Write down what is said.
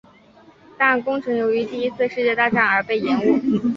但工程由于第一次世界大战而被延误。